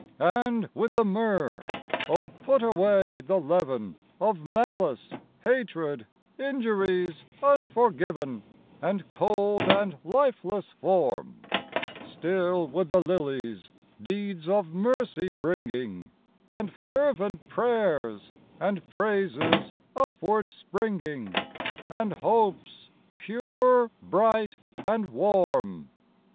107 And, with the myrrh, oh, put away the leaven Of malice, hatred, injuries unforgiven, And cold and lifeless form ; Still, with the lilies, deeds of mercy bringing, And fervent prayers, and praises upward springing, And hopes pure, bright, and warm.